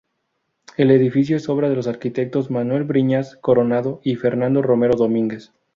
El edificio es obra de los arquitectos Manuel Briñas Coronado y Fernando Romero Domínguez.